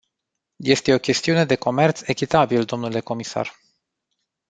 Este o chestiune de comerț echitabil, domnule comisar.